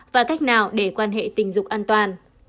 và cách nào để quan hệ tình dục an toàn